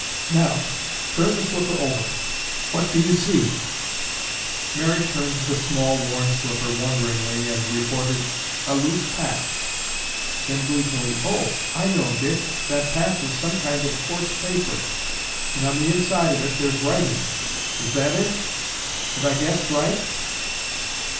"Now, turn the slipper over. What do you see?" Mary turned the small worn slipper wonderingly and reported, "A loose patch." Then, gleefully, "Oh, I know, Dick, that patch is some kind of coarse paper and on the inside of it, there's writing. Is that it? Have I guessed right?"